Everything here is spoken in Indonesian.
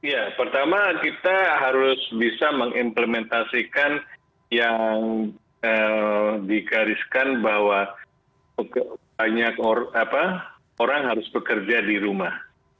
ya pertama kita harus bisa mengimplementasikan yang digariskan bahwa banyak orang harus bekerja di rumah